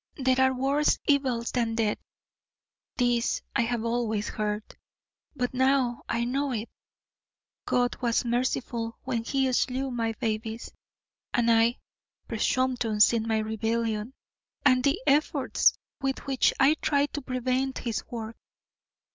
There are worse evils than death. This I have always heard, but now I know it. God was merciful when He slew my babes, and I, presumptous in my rebellion, and the efforts with which I tried to prevent His work.